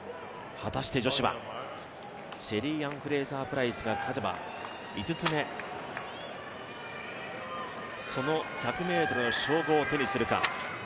果たして女子は、シェリーアン・フレイザー・プライスが勝てば５つ目、その１００ｍの称号を手にするか。